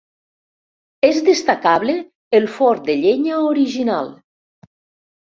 És destacable el forn de llenya original.